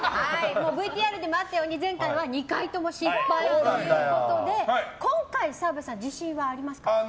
ＶＴＲでもあったように前回は２回とも失敗ということで今回澤部さん自信はありますか？